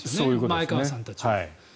前川さんたちは。